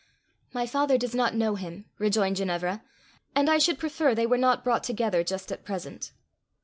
"My father does not know him," rejoined Ginevra; "and I should prefer they were not brought together just at present."